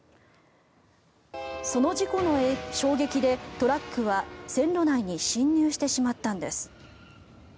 その事故の衝撃でトラックは線路内に進入してしまったんです。